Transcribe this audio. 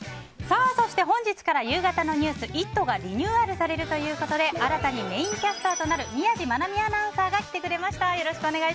そして、本日から夕方のニュース「イット！」がリニューアルされるということで新たにメインキャスターとなる宮司愛海アナウンサーが来てくれました。